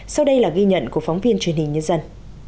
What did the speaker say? sau đây là ghi nhận của phóng viên truyền hình nhân dân